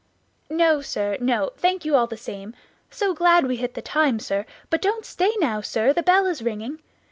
"No, sir, no, thank you all the same; so glad we hit the time, sir; but don't stay now, sir, the bell is ringing.